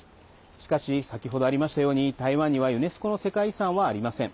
しかし先ほどありましたように台湾にはユネスコの世界遺産はありません。